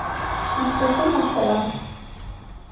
Исҭахым аҳәара…